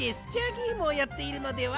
ゲームをやっているのでは？